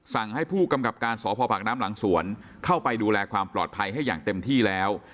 สั่งให้ผู้กำกับการสพปากน้ำหลังสวนเข้าไปดูแลความปลอดภัยให้อย่างเต็มที่แล้ว